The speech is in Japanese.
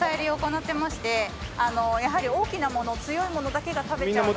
やはり大きなもの強いものだけが食べちゃうので。